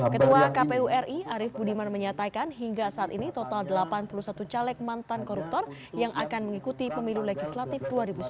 ketua kpu ri arief budiman menyatakan hingga saat ini total delapan puluh satu caleg mantan koruptor yang akan mengikuti pemilu legislatif dua ribu sembilan belas